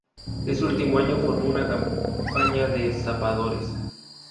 Ese último año formó una compañía de zapadores.